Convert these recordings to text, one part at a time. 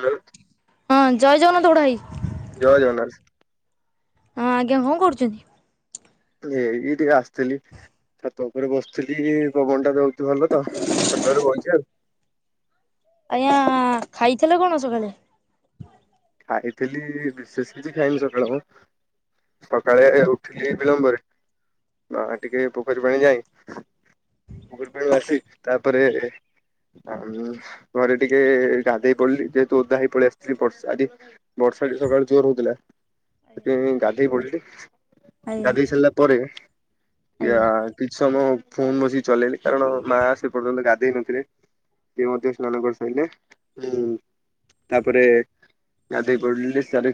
Hello ହଁ ଜୟ ଜଗନ୍ନାଥ ବଡ଼ ଭାଇ। ଜୟ ଜଗନ୍ନାଥ। ହଁ ଆଜ୍ଞା, କଣ କରୁଚନ୍ତି? ଏଇ ଟିକେ ଆସିଥିଲି, ଛାତ ଉପରେ ବସିଥିଲି, ପବନ ଟା ଦଉ ଭଲ ତ, ଛାତ ଉପରେ ବଇଚି ଆଉ। ଆଜ୍ଞା, ଖାଇଥିଲେ କଣ ସକାଳେ? ଖାଇଥିଲି, ବିଶେଷ କିଛି ଖାଇନି ସକାଳେମ। ସକାଳେ ଉଠିଲି ବିଳମ୍ବରେ, ମା ଟିକେ ପୋଖରୀ ପାଣି ଯାଇ [unintelligible] ଆସି ତାପରେ ଆ, ଘରେ ଟିକେ ଗାଧୋଇ ପଡିଲି, ଯେହେତୁ ଓଦା ହେଇ ପଳେଇ ଆସିଥିଲି, ପ ଆଜି ବର୍ଷା ବି ସକାଳୁ ଜୋର ହଉଥିଲା। ଆଜ୍ଞା ସେଥିପାଇଁ ଗାଧେଇ ପଡିଲି, ଗାଧେଇ ସାରିଲା ପରେ ଆଜ୍ଞା କିଛି ସମୟ ଫୋନ ବସିକି ଚଲେଇଲି, କାରଣ ମା ସେ ପର୍ଯ୍ୟନ୍ତ ଗାଧେଇ ନଥିଲେ। ସିଏ ମଧ୍ୟ ସ୍ନାନ କରି ସାରିଲେଁ, ତାପରେ ଗାଧେଇ ପଡିଲି, ତା ପରେ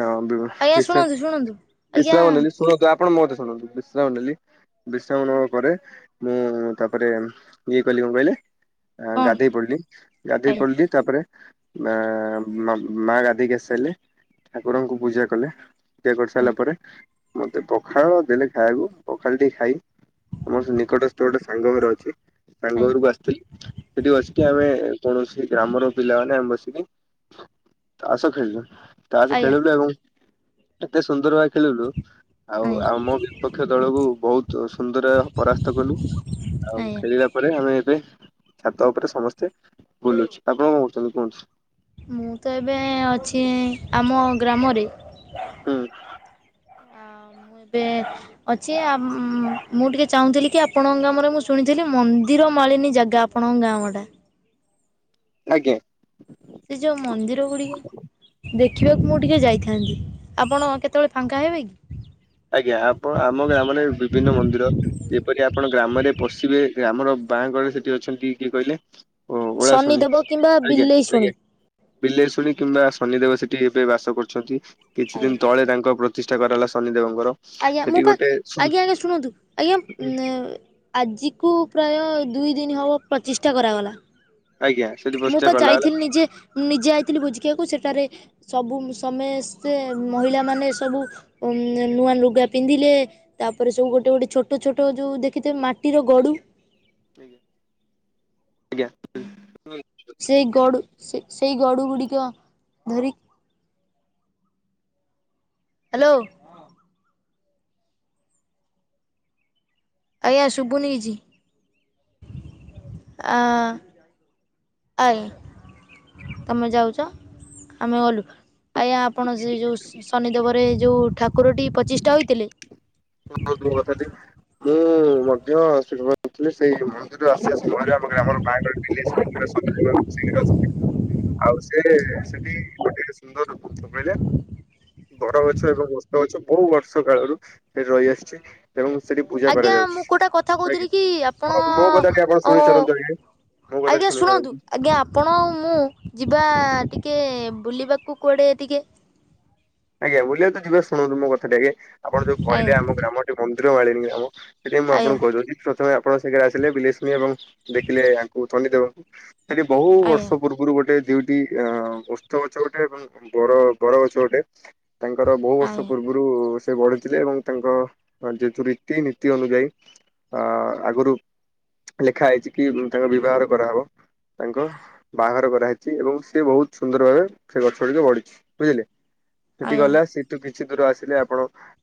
ଆଁ ଟିକେ ଆଜ୍ଞା ବିଶା, ଶୁଣନ୍ତୁ ଶୁଣନ୍ତୁ ଆଜ୍ଞା ବିଶ୍ରାମ ନେଲି, ଶୁଣନ୍ତୁ ଆ ଆପଣ ମୋ କଥା ଶୁଣନ୍ତୁ, ବିଶ୍ରାମ ନେଲି। ବିଶ୍ରାମ ନେବା ପରେ, ମୁଁ ତାପରେ ଇଏ କଲି, କଣ କହିଲେ? କଣ ଗାଧୋଇ ପଡିଲି, ଗାଧୋଇ ଆଜ୍ଞା ପଡିଲି, ତାପରେ ମା ଗାଧୋଇ ଦେଇକି ଆସି ସାରିଲେ, ଠାକୁରଙ୍କୁ ପୂଜା କଲେ। ପୂଜା ଆଜ୍ଞା କରିସାରିଲା ପରେ ମତେ ପଖାଳ ଦେଲେ ଖାଇଆକୁ, ପଖାଳଟି ଖାଇ ମୋ ନିକଟସ୍ଥ ଗୋଟେ ସାଙ୍ଗ ଘର ଅଛି, ସାଙ୍ଗ ଘରକୁ ଆସିଥିଲି। ସେଠି ବସିକି, ଆମେ କୌଣସି ଗ୍ରାମର ପିଲା ମାନେ ଆମେ ବସିକି ତାସ ଖେଳିଲୁ, ତାସ ଆଜ୍ଞା ଖେଳିଲୁ ଏବଂ -ଏତେ ସୁନ୍ଦର ଭାବେ ଖେଳିଲୁ ଆଉ ଆଜ୍ଞା ଆମ ବିପକ୍ଷ ଦଳକୁ ବହୁତ ସୁନ୍ଦର ପରାସ୍ତ କଲୁ, ଆଉ ଆଜ୍ଞା ଖେଳିଲା ପରେ ଆମେ ଏବେ ଛାତ ଉପରେ ସମସ୍ତେ ବୁଲୁଚୁ, ଆପଣ କଣ କରୁଛନ୍ତି କୁହନ୍ତୁ? ମୁଁ ତ ଏବେ ଅଛି ଆମ ଗ୍ରାମରେ। ହୁଁ। ବେଞ୍ଚ୍। ଅଛି, ଆ ମୁଁ ଟିକେ ଚାହୁଁଥିଲି କି ଆପଣଙ୍କ ଗ୍ରାମରେ ମୁଁ ଶୁଣିଥିଲି, ମନ୍ଦିର ମାଳିନୀ ଜାଗା ଆପଣଙ୍କ ଗାଁ ମଟା? ଆଜ୍ଞା। ସେ ଯୋଉ ମନ୍ଦିର ଗୁଡିକ ଦେଖିବାକୁ ମୁଁ ଟିକେ ଯାଇଥାନ୍ତି, ଆପଣ କେତେବେଳେ ଫାଙ୍କା ହେବେ କି? ଆଜ୍ଞା, ଆପଣ ଆମ ଗାଁ ମାନେ ବିଭିନ୍ନ ମନ୍ଦିର ଯେପରି ଆପଣ ଗ୍ରାମରେ ପଶିବେ, ଗ୍ରାମର ବାଁ କରେ ସେଠି ଅଛନ୍ତି କିଏ କହିଲେ? ଓ ଓଳାଶୁଣୀ, ଶନିଦେବ କିମ୍ବା ଆଜ୍ଞା ବିଲେଇ ଶୁଣି ଆଜ୍ଞା। ବିଲେଇଶୁଣୀ କିମ୍ବା ଶନିଦେବ ସେଠି ଏବେ ବାସ କରୁଛନ୍ତି, କିଛି ଦିନି ଆଜ୍ଞା ତଳେ ତାଙ୍କ ପ୍ରତ୍ ତିଷ୍ଠା କରାଗଲା ଶନିଦେବଙ୍କର। ଆଜ୍ଞା ମୁଁ ସେଠି ପା, ଗୋଟେ ସୁ ଆଜ୍ଞା ଆଜ୍ଞା ଶୁଣନ୍ତୁ, ଆଜ୍ଞା ନେ ଆଜିକୁ ପ୍ରାୟ ଦୁଇ ଦିନ ହବ ପ୍ରଚିଷ୍ଠା କରାଗଲା। ଆଜ୍ଞା ସେଠି ମୁଁ ପ୍ରତିଷ୍ଠା ପା କଲା ହେଲା ଯାଇଥିଲି ନିଜେ, ମୁଁ ନିଜେ ଯାଇଥିଲି ଭୋଜିଖିଆକୁ, ସେଠାରେ ସବୁ ସମେସ୍ତେ ମହିଳା ମାନେ ସବୁ ଉ, ନୂଆ ଲୁଗ ଲୁଗା ପିନ୍ଧିଲେ, ତାପରେ ସବୁ ଗୋଟେ ଗୋଟେ ଛୋଟ ଛୋଟ ଯୋଉ ଦେଖିଥିବ ମାଟିର ଗଡୁ ଆଜ୍ଞା। ସେଇ ଗଡ଼ୁ- ସେ- ସେଇ ଗଡ଼ୁ ଗୁଡିକ ଧରି ହାଲୋ। ଆଜ୍ଞା ଶୁବୁନି କିଛି, ଆ ଆଏ ତମେ ଯାଉଚ? ଆମେ ଗଲୁ। ଆଜ୍ଞା ଆପଣ ସେ ଯଉ ଶନିଦେବରେ ଯଉ ଠାକୁରଟି ପଚିଷ୍ଠା ହୋଇଥିଲେ [unintelligible] [unintelligible] ଆଉ ସେ ସେଠି। [unintelligible] [unintelligible] ବର ଗଛ ଏବଂ ଓସ୍ତ ଗଛ ବହୁ ବର୍ଷ କାଳରୁ ସେଠି ରହିଆସିଚି। ଏବଂ ସେଠି ପୂଜା ଆଜ୍ଞା ମୁଁ କରାଯାଉଚି। ଗୋଟେ କଥା କହୁଥିଲି ଆଜ୍ଞା, କି ଆପଣ ମୋ କଥାଟି ଆପଣ ଓ ଶୁଣି ସାରନ୍ତୁ ଆଗେ। ଆଜ୍ଞା ଶୁଣନ୍ତୁ ଆଜ୍ଞା ଆ ଆପଣ ମୁଁ ଯିବା ଟିକେ ବୁଲିବାକୁ କୁଆଡ଼େ ଟିକେ। ଆଜ୍ଞା ବୁଲିବାକୁ ତ ଯିବା ଶୁଣନ୍ତୁ ମୋ କଥା ଟି ଆଗେ। ଆପଣ ଯଉ କହିଲେ ଆଜ୍ଞା ଆମ ଗ୍ରାମଟି ମନ୍ଦିର ମାଳିିନି ଗ୍ରାମ। ସେଥିପାଇଁ ମୁଁ ଆଜ୍ଞା ଆପଣଙ୍କୁ କହିଦଉଚି ପ୍ରଥମେ ଆପଣ [unintelligible] ଆସିଲେ ବିଲେଇଶୁଣି ଏବଂ ଦେଖିଲେ ଆଙ୍କୁ ଶନିଦେବଙ୍କୁ। ସେଠି ବହୁ ଆଜ୍ଞା ବର୍ଷ ପୂର୍ବରୁ ଗୋଟେ ଦୁଇଟି ଓସ୍ତଗଛ ଗୋଟେ ଏବଂ ବର ବରଗଛ ଗୋଟେ ତାଙ୍କର ବହୁ ବର୍ଷ ପୂ ଆଜ୍ଞା ପୂର୍ବରୁ ସେ ବଢିଥିଲେ ଏବଂ ତାଙ୍କ ଯେହେତୁ ରୀତି ନୀତି ଅନୁଯାୟୀ ଆ ଆଗୁରୁ ଲେଖା ହେଇଚି କି ତାଙ୍କ ବିଭାଘର କରାହେବ। ତାଙ୍କ ବାହାଘର କରାହେଇଚି। ଏବଂ ସେ ବହୁତ୍ ସୁନ୍ଦର ଭାବେ ସେ ଗଛ ଦୁଇଟି ବଢିଚି ବୁଝିଲେ। ସେଠି ଗଲା ସେଠୁ କିଛି ଦୂର ଆସିଲେ ଆପଣ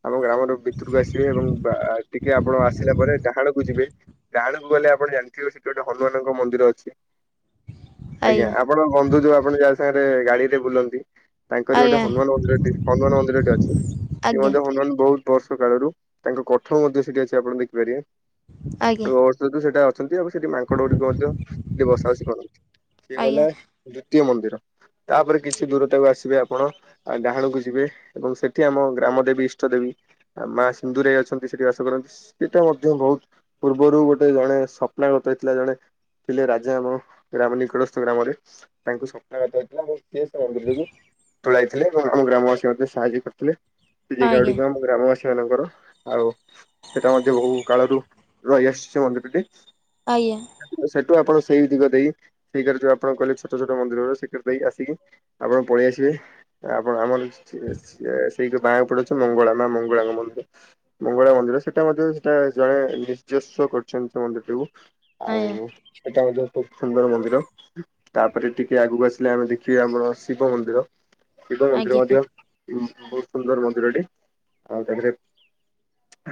ଆମ ଗ୍ରାମର ଭିତରକୁ ଆସିବେ। ଏବଂ ଆ ଟିକେ ଆପଣ ଆସିଲା ପରେ ଡାହାଣକୁ ଯିବେ ଡାହାଣକୁ ଗଲେ ଆପଣ ଜାଣିଥିବେ ସେଠି ଗୋଟେ ହନୁମାନଙ୍କ ମନ୍ଦିର ଅଛି। ଆଜ୍ଞା ଆ ଆପଣଙ୍କ ବନ୍ଧୁ ଯଉ ଆପଣ ଯାହା ସାଙ୍ଗରେ ଗାଡି ରେ ବୁଲନ୍ତି, ତାଙ୍କରି ଗୋଟେ ଆଜ୍ଞା ଆଜ୍ଞା ହନୁମାନ ମନ୍ଦି ର ଟି ହନୁମାନ ମନ୍ଦିରଟେ ଅଛି। ଆଜ୍ଞା [unintelligible] ହନୁମାନ୍ ବହୁତ। ବର୍ଷ କାଳରୁ ତାଙ୍କ କଠଉ ମଧ୍ୟ ସେଠି ଅଛି ଆପଣ ଦେଖିପାରିବେ। ଆଜ୍ଞା। ସେଇଟୁ ସେଟା ଅଛନ୍ତି। ଆଉ ସେଠି ମାଙ୍କଡ ଗୁଡ଼ିକ ମଧ୍ୟ ବସା ବସି କରନ୍ତି। ଦ୍ଵିତୀୟ ମନ୍ଦିର, ତାପରେ କିଛି ଦୂରତାକୁ ଆସିବେ ଆପଣ ଆଉ ଡାହାଣକୁ ଯିବେ ଏବଂ ସେଠି ଆମ ଗ୍ରାମ ଦେବୀ ଇଷ୍ଟ ଦେବୀ ଆଉ ମା ସିନ୍ଦୁରେଇ ଅଛନ୍ତି ସେଠି ବାସ କରନ୍ତି। ସେଟା ମଧ୍ୟ ବହୁତ୍ ପୂର୍ବରୁ ଗୋଟେ ଜଣେ ସ୍ୱପ୍ନା ଗତ ହେଇଥିଲା ଜଣେ ଥିଲେ ରାଜା ଆମ ଗ୍ରାମ ନିକଟସ୍ଥ ଗ୍ରାମରେ। ତାଙ୍କୁ ସ୍ୱପ୍ନାଗତ ହେଇଥିଲା [unintelligible] ତୁଳାଇଥିଲେ ଏବଂ ଆମ ଗ୍ରାମବାସୀ ମଧ୍ୟ ସାହାଯ୍ୟ କରିଥିଲେ। ସେ ଆଜ୍ଞା ଆଜ୍ଞା ଆଜ୍ଞା ଜାଗା ଆଜ୍ଞା ଗୁଡିକ ଗ୍ରାମବାସୀ ମାନଙ୍କର। ଆଉ ସେଟା ମଧ୍ୟ ବହୁ କାଳରୁ ରହି ଆସିଚି ସେ ମନ୍ଦିରଟି। ଆଜ୍ଞା। ସେଠୁ ଆପଣ ସେଇ ଦିଗ ଦେଇ ସେଇ କରେ ଯୋଉ ଆପଣ କହିଲେ ଛୋଟ ଛୋଟ ମନ୍ଦିର ରା ସେଇ କରେ ଦେଇ ଆସିକି ଆପଣ ପଳେଇ ଆସିବେ। ଆପଣ ଆମର ସେ ସିଏ ସେଇଟି ବାଁ ପଟେ ଅଛି ମଙ୍ଗଳା ମା ମଙ୍ଗଳାଙ୍କ ମନ୍ଦିର। ମଙ୍ଗଳା ମନ୍ଦିର ସେଟା ମଧ୍ୟ ସେଟା ଜଣେ ନିଜସ୍ଵ କରିଚନ୍ତି ସେ ମନ୍ଦିରଟିକୁ। ଆଉ ଏଟା ମଧ୍ୟ ଖୁବ୍ ସୁନ୍ଦର ମନ୍ଦିର। ତାପରେ ଟିକେ ଆଗୁକୁ ଆସିଲେ ଆମେ ଦେଖିବା ଆମର ଶିବ ମନ୍ଦିର। ଶିବ ମନ୍ଦିର ମଧ୍ୟ ବହୁତ୍ ସୁନ୍ଦର ମନ୍ଦିରଟେ। ଆଉ ତା ପରେ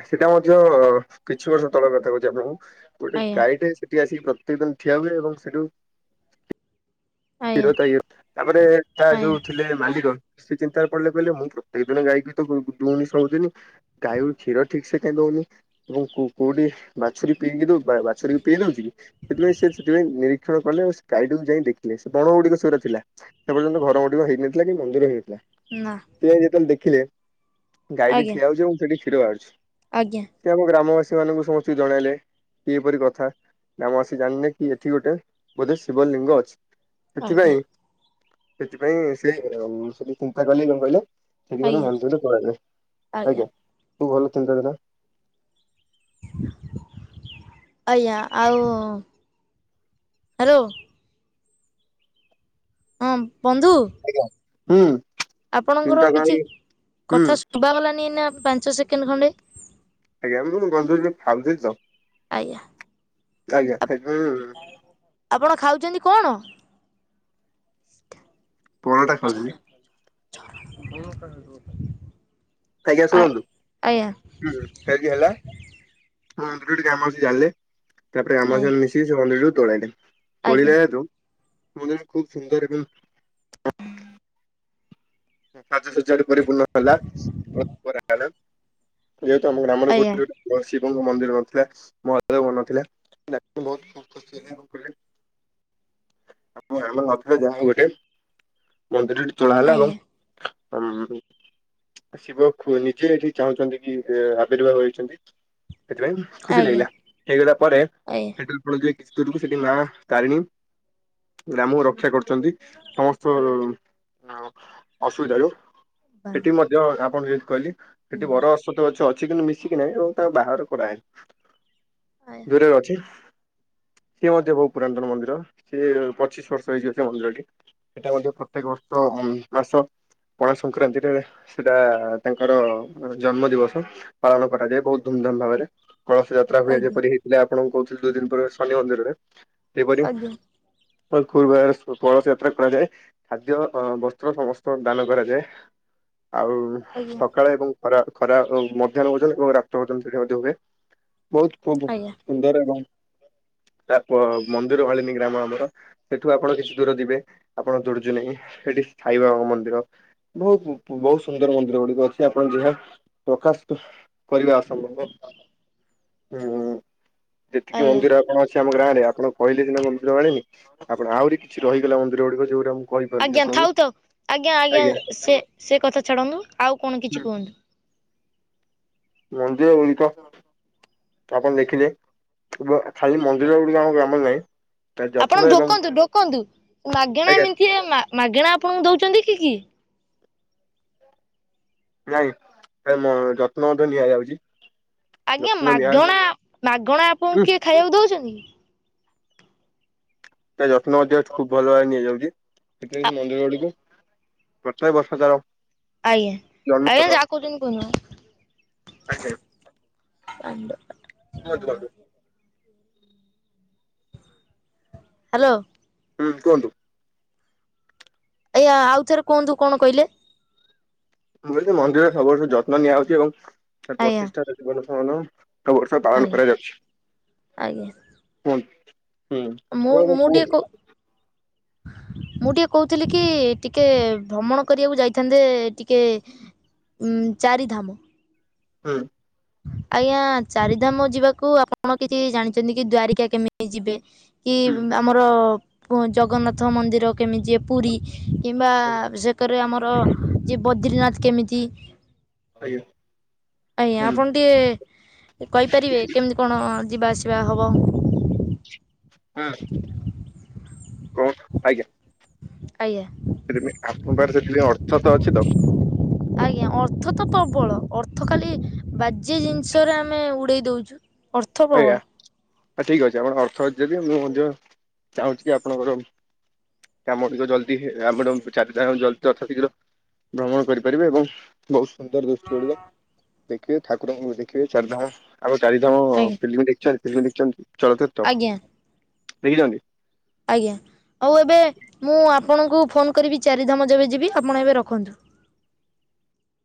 ସେଟା ମଧ୍ୟ କିଛି ବର୍ଷ ତଳର କଥା କହୁଚି ଆପଣଙ୍କୁ। ଗୋଟେ ଆଜ୍ଞା ଗାଈଟେ ସେଠି ଆସିକି ପ୍ରତ୍ୟେକ ଦିନ ଠିଆ ହୁଏ ଏବଂ ସେଠୁ କ୍ଷୀର ଆଜ୍ଞା ତା ଇଏ ରୁ ତାପରେ ତା ଆଜ୍ଞା ଯୋଉ ଥିଲେ ମାଲିକ ସେ ଚିନ୍ତାରେ ପଡିଲେ କହିଲେ ମୁଁ ପ୍ରତ୍ୟେକ ଦିନ ଗାଈକି ତ ଦୁହୁଁନି ସବୁଦିନି ଗାଇ ଗୋରୁ କ୍ଷୀର ଠିକ୍ ସେ କାଇଁ ଦଉନି। ଏବଂ କୋ କୋଉଠି ବାଛୁରୀ ପିଇକି ଦଉ ବା ବାଛୁରୀ କୁ ପେଇ ଦଉଛି। ସେଥିପାଇଁ ସେ ସେଥିପାଇଁ ନିରୀକ୍ଷଣ କଲେ ଆଉ ସେ ଗାଈଟିକୁ ଯାଇ ଦେଖି। ଲେ ସେ ବଣ ଗୁଡିକ ସେଗୁରା ଥିଲା ସେ ପର୍ଯ୍ୟନ୍ତ ଘର ଗୁଡିକ ହେଇ ନଥିଲା କି ମନ୍ଦିର ହେଇ ନଥିଲା। ନା। ସିଏ ଯାଇଁ ଯେତେ ବେଳେ ଦେଖିଲେ ଗାଈଟି ଆଜ୍ଞା ଠିଆ ହଉଚି ଏବଂ ସେଠି କ୍ଷୀର ବାହାରୁଛି। ଆଜ୍ଞା। ସିଏ ଆମ ଗ୍ରାମବାସୀ ମାନଙ୍କୁ ସମସ୍ତିକି ଜଣାଇଲେ। କି ଏପରି କଥା ଗ୍ରାମବାସି ଜାଣି ଲେ କି ଏଠି ଗୋଟେ ବୋଧେ ଶିବ ଲିଙ୍ଗ ଅଛି। ସେଥିପାଇଁ ଆଜ୍ଞା ସେଥିପାଇଁ ସେ ଉଁ ସେଟୁ ଚିନ୍ତା କଲେ କଣ କଇଲ। ସେଠି ଗୋଟେ ଆଜ୍ଞା ମନ୍ଦିର ତୋଳା ଯାଉ ଆଜ୍ଞା ଖୁବ୍ ଭଲ ଚିନ୍ତାଧାରା। ଆଜ୍ଞା ଆଉ ହାଲୋ। ହଁ ବନ୍ଧୁ। ଆଜ୍ଞା ହୁଁ। ଆପଣଙ୍କର ଚିନ୍ତା କିଛି କରି ହୁଁ କଥା ଶୁଭା ଗଲାନି ଏଇନା ପାଞ୍ଚ ସେକେଣ୍ଡ ଖଣ୍ଡେ। ଆଜ୍ଞା ମୁଁ ବନ୍ଧୁ ଟିକେ ଖାଉଥିଲି ତ। ଆଜ୍ଞା। ଆଜ୍ଞା। [inaudible] ଆପଣ ଖାଉଚନ୍ତି କଣ? ପରଟା ଖାଉଥିଲି [unintelligible] ଆଜ୍ଞା ଆ ଶୁଣନ୍ତୁ ଆଜ୍ଞା ହୁଁ ଫେରେ ଇଏ ହେଲା ମନ୍ଦିର ଟି ଗ୍ରାମ ବାସି ଜାଣିଲେ। ତାପରେ ଗ୍ରାମ ବାସି ଆଜ୍ଞା ମାନେ ମିଶିକି ସେ ମନ୍ଦିରଟିକୁ ତୋଳାଇଲେ ଆଜ୍ଞା ତୋଳିଲେ। [unintelligible] [unintelligible] ଏବଂ ଆଜ୍ଞା ଶିବଙ୍କ ମନ୍ଦିର ନଥିଲା। ମହାଦେବଙ୍କର ନଥିଲା। [unintelligible] ମନ୍ଦିରଟି ତୋଳା ହେଲା ଆଜ୍ଞା ଏବଂ ଉଁ। ଶିବ ଖୋ ନିଜେ ଏଠି ଚାହୁଁଛନ୍ତି କି ଆବିର୍ଭାବ ହେଇଛନ୍ତି ସେଥିପାଇଁ। ଖୁସି ଆଜ୍ଞା ଲାଗିଲା ହେଇଗଲା ପରେ ଆଜ୍ଞା। ସେ ପୀଢ଼ି ଯାଇ କିଛି ଦୁରକୁ ସେଠି ମା ତାରିଣୀ ଗ୍ରାମକୁ ରକ୍ଷା କରୁ ଛନ୍ତି ସମସ୍ତ ଆଉ ଅସୁବିଧାରୁ ସେଠି ମ ଧ୍ୟ ଆପଣ ଙ୍କୁ ଯେମତି କହିଲି ସେଠି ଆଜ୍ଞା ଆଜ୍ଞା ବର ଅଶ୍ଵଥ ଗଛ ଅଛି କିନ୍ତୁ ମିଶିକି ନାହିଁ ଏବଂ ତାଙ୍କ ବାହା ଘର କରାହେଇନି। ଦୂରେରେ ଅଛି। ସିଏ ମଧ୍ୟ ବହୁ ପୁରାତନ ମନ୍ଦିର ସିଏ ପଚିଶ ବର୍ଷ ହେଇଯିବ ସେ ମନ୍ଦିରଟି। ସେଇଟା ମଧ୍ୟ ପ୍ରତ୍ୟେକ ବର୍ଷ ଅମ୍ ମାସ। ପଣା ସଂକ୍ରାନ୍ତିରେ ସେଟା ତାଙ୍କର ଜନ୍ମ ଦିବସ। ପାଳନ କରାଯାଏ ବହୁତ ଧୁମଧାମ ଭାବରେ କଳସ ଯାତ ତ୍ରା ଆଜ୍ଞା ହୁଏ ଆଜ୍ଞା ଆଜ୍ଞା। ଯେପରି ହେଇଥିଲା ଆପଣଙ୍କୁ କହୁଥିଲେ ଦୁଇ ଦିନ ପୂର୍ବେ ଶନି ମନ୍ଦିରରେ ସେହିପରି। ତ କଳସ ଯାତ୍ରା କରାଯାଏ ଖାଦ୍ୟ ଅ ବସ୍ତ୍ର ସମସ୍ତ। ତ ଦାନ କରାଯାଏ ଆଉ ସକାଳେ ଏବଂ। ଖରା ଖରା ମଧ୍ୟାହ୍ନ ଭୋଜନ ଏବଂ ରାତ୍ର ଭୋଜନ ସେଠି ମଧ୍ୟ ହୁଏ ବହୁତ। ସୁନ୍ଦର ଏବଂ ତା ପ ମନ୍ଦିର ମାଳିନୀ ଗ୍ରାମ ଆମର। ସେଠୁ ଆପଣ କିଛି ଦୂର ଯିବେ ଆପଣ ଦୁଡୁଜୁନେଇ ସେଠି ସାଇ ବାବା ଙ୍କ ମନ୍ଦିର। ମନ୍ଦିର ବହୁତ ବହୁତ ସୁନ୍ଦର ମନ୍ଦିର ଗୁଡିକ ଅଛି ଆପଣ ଯାହା ପ୍ରକାଶ। କରିବା ଅସମ୍ଭବ ହୁଁ। ଯେତିକି ମନ୍ଦିର କଣ ଅଛି ଆମ ଗାଁ ରେ ଆପଣ କହିଲେ ସିନା ମନ୍ଦିର ଆଳେନି ଆପଣ ଆହୁରି କିଛି ରହିଗଲା ମନ୍ଦିର ଗୁଡିକ ଯୋଉଗୁଡା ମୁଁ କହିପାରୁନି ଆଜ୍ଞା ଥାଉ ଆପଣଙ୍କୁ ଥାଉ ଆଜ୍ଞା ଆଜ୍ଞା ସେ ସେ କଥା ଛାଡ଼ନ୍ତୁ ଆଉ କଣ କିଛି ହୁଁ କୁହନ୍ତୁ? ମନ୍ଦିର ଗୁଡିକ ଆପଣ ଦେଖିଲେ? ଖାଲି ମନ୍ଦିର ଗୁଡିକ ଆମ ଗ୍ରାମରେ ନାହିଁ ତା ଯତ୍ନ ଆପଣ ଏବଂ ଢୋକନ୍ତୁ ଢୋକନ୍ତୁ ମାଗେଣା ଆଜ୍ଞା ମିଳିଛି ମାଗେଣା ଆପଣଙ୍କୁ ଦଉଛନ୍ତି କିଏ? ନାଇଁ ମୋ ଯତ୍ନ ମଧ୍ୟ ନିଆଯାଉଚି ଆଜ୍ଞା ମାଗଣା ମାଗଣା ଆପଣଙ୍କୁ କିଏ ଖାଇବାକୁ ଦଉଛନ୍ତି କି? ତା ଯତ୍ନ ମଧ୍ୟ ଖୁବ ଭଲ ଭାବରେ ଆ ନିଆଯାଉଛି ମନ୍ଦିର ଗୁଡିକ [inaudible] ବର୍ଷାଟା ଆଜ୍ଞା ଆଜ୍ଞା ଯା କହୁଚନ୍ତି କୁହନ୍ତୁ? ଆଜ୍ଞା [unintelligible] ହାଲୋ। ହୁଁ କୁହନ୍ତୁ? ଏଇ୍ଆ ଆଉ ଥରେ କୁହନ୍ତୁ କଣ କହିଲେ? ମୁଁ କହିଲି ମନ୍ଦିରରେ ସବୁ ଯତ୍ନ ନିଆହଉଛି ଏବଂ ଆଜ୍ଞା ପ୍ରତିଷ୍ଠା ଜୀବନମାନ ଏକ ବର୍ଷ ପାଳନ ଆଜ୍ଞା କରାଯାଉଛି ଆଜ୍ଞା। ହୁ ମୁଁ ମୁଁ ଟିକେ କଉ ହ [unintelligible] ମୁଁ ଟିକେ କହୁଥିଲି କି ଟିକେ ଭ୍ରମଣ କରିବାକୁ ଯାଇଥାନ୍ତେ ଟିକେ ହୁଁ ଚାରିଧାମ ହୁଁ। ଆଜ୍ଞା ଚାରିଧାମ ଯିବାକୁ ଆପଣ କିଛି ଜାଣିଛନ୍ତି କି ଦ୍ଵାରିକା କେମିତି ଯିବେ? କି ହୁଁ ଆମର ଜଗନ୍ନାଥ ମନ୍ଦିର କେମିତି ଯିବେ ପୁରୀ? କିମ୍ବା ସେକରେ ଆମର ଯିବ ବଦ୍ରୀନାଥ କେମିତି? ଆଜ୍ଞା। ଆଜ୍ଞା ହୁଁ ହୁଁ ଆପଣ ଟିକେ କହିପାରିବେ କେମିତି କଣ ଯିବା ଆସିବା ହବ? ହୁଁ କୁହନ୍ତୁ ଆଜ୍ଞା। ହ [unintelligible] ଆଜ୍ଞା। ସେଥିପାଇଁ ଆପଙ୍କ ପାଖରେ ସେଥିପାଇଁ ଅର୍ଥ ତ ଅଛି ତ? ଆଜ୍ଞା ଅର୍ଥ ତ ପ୍ରବଳ ଅର୍ଥ ଖାଲି ବାଯ୍ୟେ ଜିନିଷରେ ଆମେ ଉଡେଇ ଦଉଛୁ। ଆଜ୍ଞା ଠିକ ଅଛି ଆପଣ ଅର୍ଥ ଅଛି ଯଦି ମୁଁ ଯେ ଚାହୁଁଛି କି ଆପଣଙ୍କର କାମ ଗୁଡିକ ଜଲଦି ଆମର ଚାରିଟା ଜ ଜଲଦି ଯଥାଶୀଘ୍ର ଭ୍ରମଣ କରିପାରିବେ ଏବଂ ବହୁତ ସୁନ୍ଦର ଦୃଷ୍ଟି ଗୁଡିକ ଦେଖିବେ ଠାକୁରଙ୍କୁ ଦେଖିବେ ଚାରିଧାମ। ଆମ ଚାରିଧାମ ଆଜ୍ଞା ଫିଲ୍ମ ଦେଖିଛନ୍ତି ଫିଲ୍ମ ଦେଖିଛନ୍ତି ଚଳଚିତ୍ର ଆଜ୍ଞା ଦେଖିଛନ୍ତି? ଆଜ୍ଞା ହଉ ଏବେ ମୁଁ ଆପଣଙ୍କୁ ଫୋନ କରିବି ଚାରିଧାମ ଯେବେ ଯିବି ଆପଣ ଏବେ ରଖନ୍ତୁ।